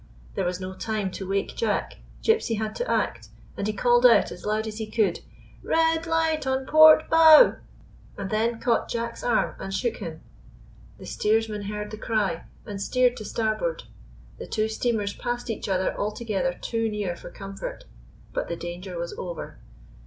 There was no time to wake Jack. Gypsy had to act, and he called out as loud as he could :" Red light on port bow !" and then caught Jack's arm and shook him. The steersman heard the cry, and steered to starboard. The two steamers passed one another altogether too near for comfort — but the danger was over.